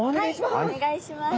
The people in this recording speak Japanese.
お願いします。